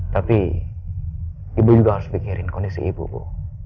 tapi ibu juga harus pikirkan kondisi ibu bu